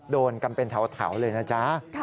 โดนกันเป็นแถวเลยนะจ๊ะ